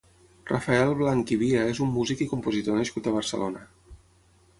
Rafael Blanch i Via és un músic i compositor nascut a Barcelona.